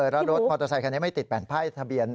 แล้วรถมอเตอร์ไซคันนี้ไม่ติดแผ่นป้ายทะเบียน